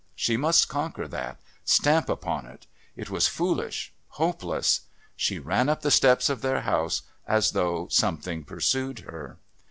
She must conquer that, stamp upon it. It was foolish, hopeless.... She ran up the steps of their house as though something pursued her.